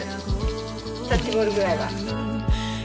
キャッチボールぐらいは。